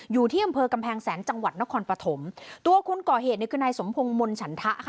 อยู่ที่อำเภอกำแพงแสนจังหวัดนครปฐมตัวคนก่อเหตุเนี่ยคือนายสมพงศ์มนฉันทะค่ะ